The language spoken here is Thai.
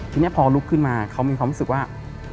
ทีนี้พอลุกขึ้นมาเขามีความรู้สึกว่า